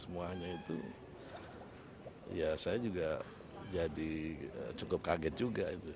semuanya itu ya saya juga jadi cukup kaget juga itu